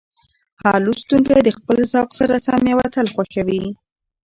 هر لوستونکی د خپل ذوق سره سم یو اتل خوښوي.